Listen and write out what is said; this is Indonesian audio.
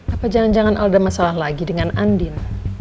apa jangan jangan ada masalah lagi dengan andin